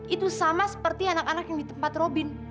itu sama seperti anak anak yang di tempat robin